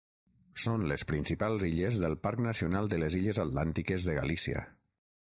Són les principals illes del Parc Nacional de les Illes Atlàntiques de Galícia.